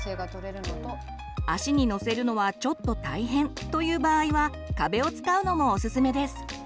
足に乗せるのはちょっと大変という場合は壁を使うのもおすすめです。